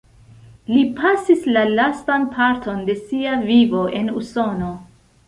Li pasis la lastan parton de sia vivo en Usono.